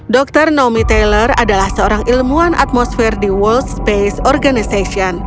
dr nomi taylor adalah seorang ilmuwan atmosfer di world space organization